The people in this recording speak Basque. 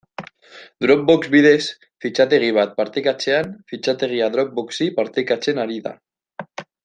Dropbox bidez fitxategi bat partekatzean, fitxategia Dropboxi partekatzen ari da.